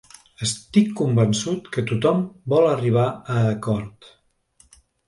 Estic convençut que tothom vol arribar a acord.